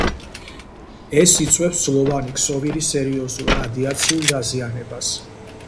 ეს იწვევს ძვლოვანი ქსოვილის სერიოზულ რადიაციულ დაზიანებას.